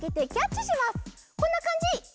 こんなかんじ。